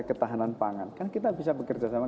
ketahanan pangan kan kita bisa bekerja sama